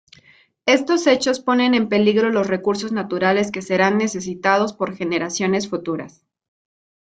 Estos hechos ponen en peligro los recursos naturales que serán necesitados por generaciones futuras.